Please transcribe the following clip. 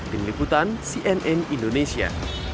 penyeliputan cnn indonesia